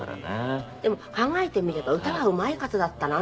でも考えてみれば歌がうまい方だったな。